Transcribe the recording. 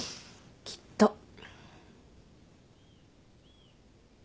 きっと。